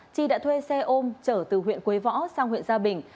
chi đã thuê xe ôm trở từ huyện quế võ sang huyện gia bình